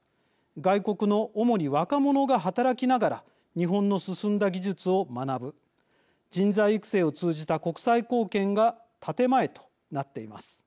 外国の主に若者が働きながら日本の進んだ技術を学ぶ人材育成を通じた国際貢献が建て前となっています。